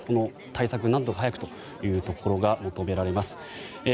対策を何とか早くというところが求められます。